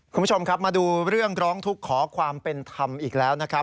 คุณผู้ชมครับมาดูเรื่องร้องทุกข์ขอความเป็นธรรมอีกแล้วนะครับ